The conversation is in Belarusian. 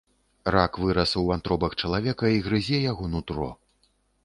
Рак вырас у вантробах чалавека і грызе яго нутро.